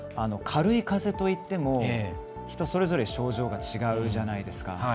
軽いかぜといっても人それぞれ症状が違うじゃないですか。